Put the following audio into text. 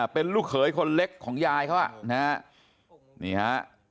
เป็นลูกเขยคนเล็กของยายเขานี่ฮะ